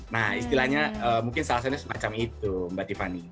nah istilahnya mungkin salah satunya semacam itu mbak tiffany